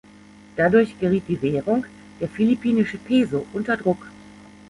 Dadurch geriet die Währung, der Philippinische Peso, unter Druck.